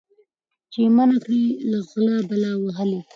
چي یې منع کړي له غلا بلا وهلی